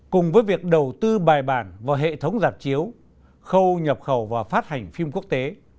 cùng với việc đầu tư bài bản vào hệ thống rạp chiếu khâu nhập khẩu và phát hành phim quốc tế